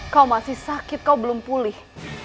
kau masih sakit kau belum pulih